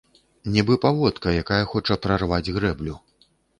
Нібы паводка, якая хоча прарваць грэблю.